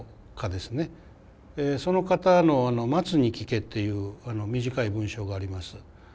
その方の「松に聞け」っていう短い文章があります。